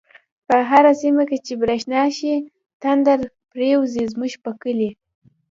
په هر سيمه چی بريښنا شی، تندر پر يوزی زموږ په کلی